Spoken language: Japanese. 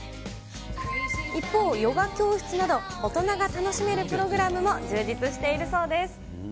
一方、ヨガ教室など、大人が楽しめるプログラムも充実しているそうです。